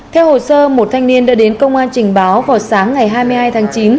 theo hồ sơ một thanh niên đã đến công an trình báo vào sáng ngày hai mươi hai tháng chín